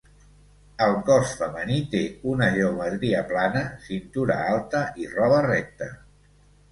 El cos, femení, té una geometria plana, cintura alta i roba recta.